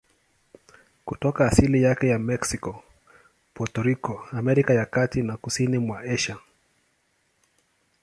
Kutoka asili yake ya Meksiko, Puerto Rico, Amerika ya Kati na kusini mwa Asia.